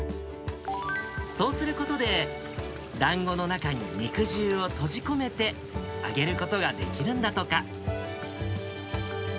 そうすることで、だんごの中に肉汁を閉じ込めて、揚げることができるんだとか。